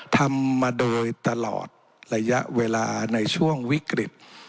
ทำมาโดยตลอดระยะเวลาในช่วงวิกฤต